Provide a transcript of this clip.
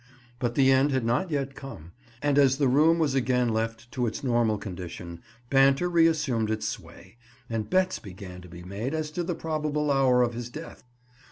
But the end had not yet come; and as the room was again left to its normal condition, banter reassumed its sway, and bets began to be made as to the probable hour of his death.